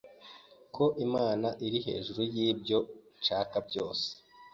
ko Imana iri hejuru y’ibyo nshaka byose